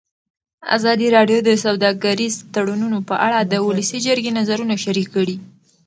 ازادي راډیو د سوداګریز تړونونه په اړه د ولسي جرګې نظرونه شریک کړي.